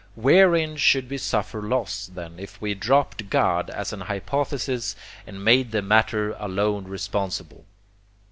Wherein should we suffer loss, then, if we dropped God as an hypothesis and made the matter alone responsible?